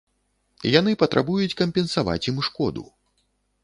Яны патрабуюць кампенсаваць ім шкоду.